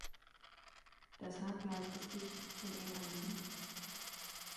Das Haarkleid ist dicht und eng anliegend.